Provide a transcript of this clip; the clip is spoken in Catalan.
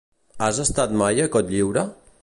Has estat mai a Cotlliure?